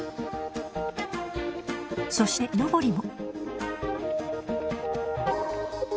そして木登りも。